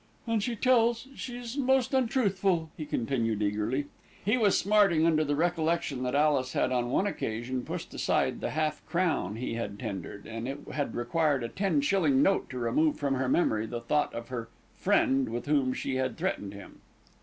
"And she tells she's most untruthful," he continued eagerly; he was smarting under the recollection that Alice had on one occasion pushed aside the half crown he had tendered, and it had required a ten shilling note to remove from her memory the thought of her "friend" with whom she had threatened him.